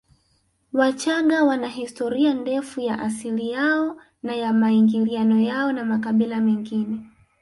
Wachaga wana historia ndefu ya asili yao na ya maingiliano yao na makabila mengine